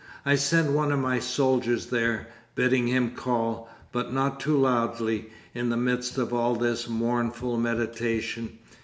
I send one of my soldiers there, bidding him call, but not too loudly, in the midst of all this mournful meditation.